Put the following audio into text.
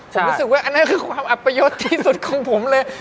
ผมรู้สึกว่าอันนั้นคือความอัปยศที่สุดของผมเลย